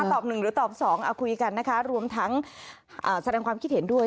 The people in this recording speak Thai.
ตอบ๑หรือตอบ๒คุยกันนะคะรวมทั้งแสดงความคิดเห็นด้วย